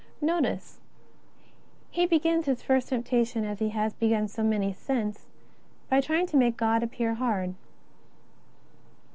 !N^otice how he begins his first temptation as he has begun so many since, by trying to make God appear hard.